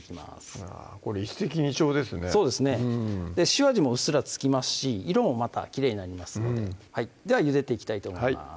塩味もうっすら付きますし色もまたきれいになりますのでではゆでていきたいと思います